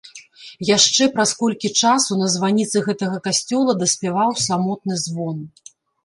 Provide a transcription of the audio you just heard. Яшчэ праз колькі часу на званіцы гэтага касцёла даспяваў самотны звон.